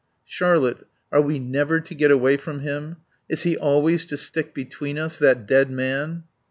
"Charlotte are we never to get away from him? Is he always to stick between us? That dead man."